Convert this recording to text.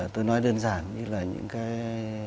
tôi nói đơn giản như là những cái